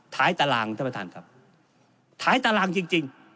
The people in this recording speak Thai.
ตารางท่านประธานครับท้ายตารางจริง